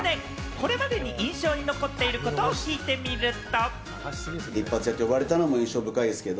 これまでに印象に残っていることを聞いてみると。